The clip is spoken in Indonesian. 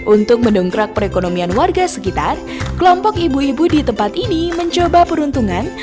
untuk mendongkrak perekonomian warga sekitar kelompok ibu ibu di tempat ini mencoba peruntungan